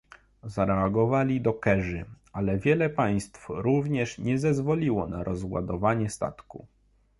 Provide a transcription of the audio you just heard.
Zareagowali dokerzy, ale wiele państw również nie zezwoliło na rozładowanie statku